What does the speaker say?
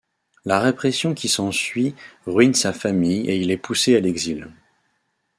La répression qui s'en suit ruine sa famille et il est poussé à l'exil.